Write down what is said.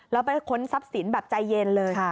แล้วไปค้นทรัพย์สินแบบใจเย็นเลย